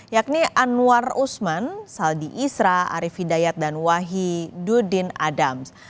yakni anwar usman saldi isra arief hidayat dan wahidudin adams